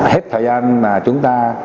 hết thời gian mà chúng ta